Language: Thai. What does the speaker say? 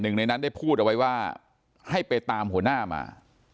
หนึ่งในนั้นได้พูดเอาไว้ว่าให้ไปตามหัวหน้ามา